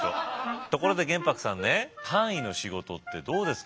ところで玄白さんね藩医の仕事ってどうですか？